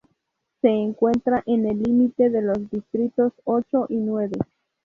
Se encuentra en el límite de los distritos ocho y nueve.